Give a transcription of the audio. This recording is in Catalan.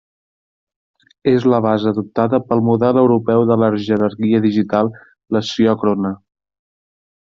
És la base adoptada pel model Europeu de la jerarquia digital plesiòcrona.